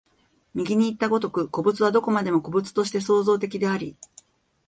右にいった如く、個物はどこまでも個物として創造的であり、